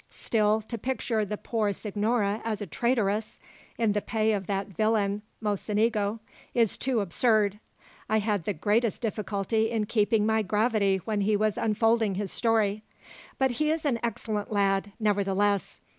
Still, to picture the poor signora as a traitoress, in the pay of that villain Mocenigo, is too absurd. I had the greatest difficulty in keeping my gravity when he was unfolding his story. But he is an excellent lad, nevertheless.